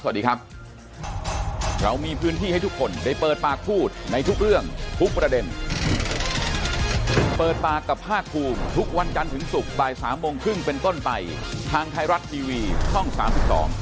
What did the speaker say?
พบกันใหม่พรุ่งนี้บ่ายสามครึ่งครับสวัสดีครับ